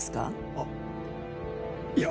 あっいや。